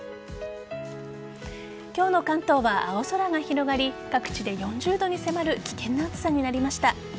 今日の関東は青空が広がり各地で４０度に迫る危険な暑さになりました。